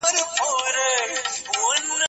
ملا عبدالغفور اخند ملا پيرمحمد کاکړ